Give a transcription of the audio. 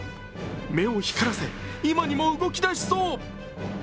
目を光らせ、今にも動き出しそう。